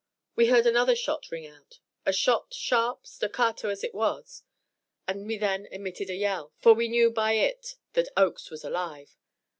We heard another shot ring out a shot sharp, staccato it was; and we then emitted a yell, for we knew by it that Oakes was alive.